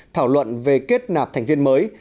thảo luận về kết nạp thành viên mới